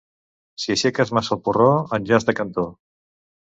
Si aixeques massa el porró aniràs de cantó.